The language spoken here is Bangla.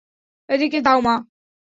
এদিকে দাও মা!